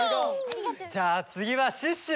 じゃあつぎはシュッシュ！